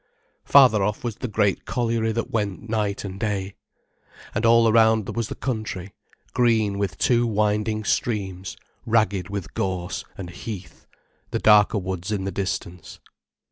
Farther off was the great colliery that went night and day. And all around was the country, green with two winding streams, ragged with gorse, and heath, the darker woods in the distance.